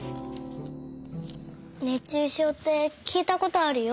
熱中症ってきいたことあるよ。